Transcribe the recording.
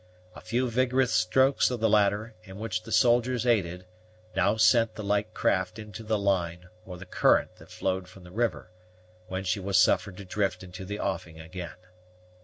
A few vigorous strokes of the latter, in which the soldiers aided, now sent the light craft into the line or the current that flowed from the river, when she was suffered to drift into the offing again.